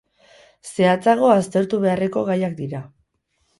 Zehatzago aztertu beharreko gaiak dira.